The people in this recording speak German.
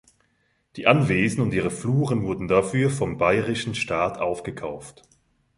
Die Anwesen und ihre Fluren wurden dafür vom Bayerischen Staat aufgekauft.